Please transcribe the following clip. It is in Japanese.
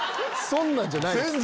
そんなんじゃないです。